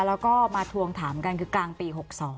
แล้วก็มาทวงถามกันคือกลางปี๖๒